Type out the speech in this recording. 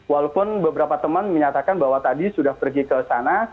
walaupun beberapa teman menyatakan bahwa tadi sudah pergi ke sana